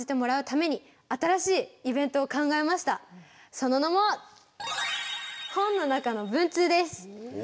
その名も「本の中の文通」です！